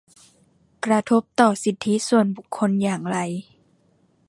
กระทบต่อสิทธิส่วนบุคคลอย่างไร